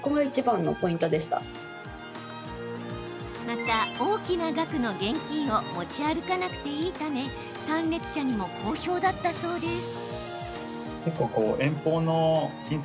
また、大きな額の現金を持ち歩かなくていいため参列者にも好評だったそうです。